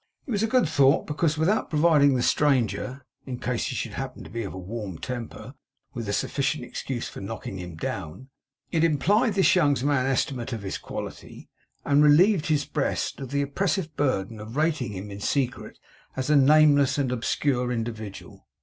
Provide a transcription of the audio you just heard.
It was a good thought; because without providing the stranger, in case he should happen to be of a warm temper, with a sufficient excuse for knocking him down, it implied this young man's estimate of his quality, and relieved his breast of the oppressive burden of rating him in secret as a nameless and obscure individual.